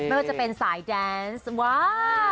เบอร์จะเป็นสายแดนส์ว้าว